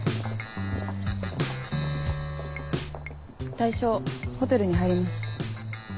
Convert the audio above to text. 対象ホテルに入ります。